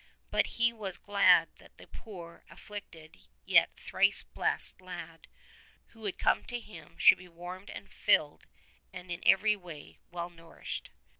But he was glad that the poor, afflicted, yet thrice blessed lad who had come to him should be warmed and filled and in every way well nourished.